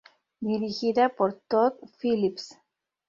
Dirigida por Todd Phillips.